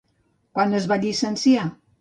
Quan es va llicenciar?